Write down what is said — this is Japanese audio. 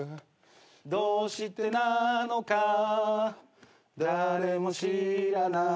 「どうしてなのかだれもしらない」